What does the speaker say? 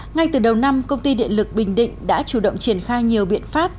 ngay từ đầu năm công ty điện lực bình định đã chủ động triển khai nhiều biện pháp